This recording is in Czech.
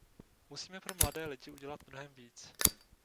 Musíme pro mladé lidi udělat mnohem víc.